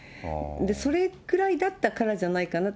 それくらいだったからじゃないかなって。